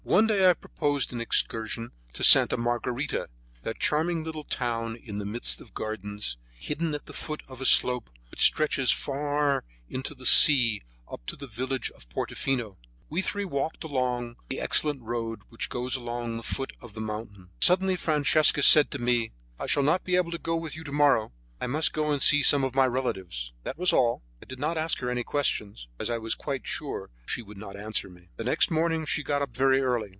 One day I proposed an excursion to Sta Margarita, that charming little town in the midst of gardens, hidden at the foot of a slope which stretches far into the sea up to the village of Portofino. We three walked along the excellent road which goes along the foot of the mountain. Suddenly Francesca said to me: "I shall not be able to go with you to morrow; I must go and see some of my relatives." That was all; I did not ask her any questions, as I was quite sure she would not answer me. The next morning she got up very early.